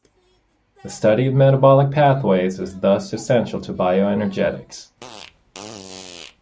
The study of metabolic pathways is thus essential to bioenergetics.